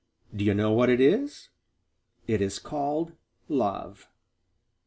Do you know what it is? It is called love.